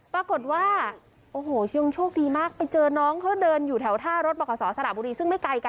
ปรากฏว่าโอ้โหช่วงโชคดีมาก